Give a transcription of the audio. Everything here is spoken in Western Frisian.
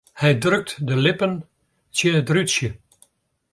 Hy drukt de lippen tsjin it rútsje.